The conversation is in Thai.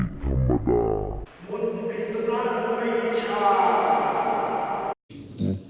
มุสเบซเลาะนมาดี่วิชา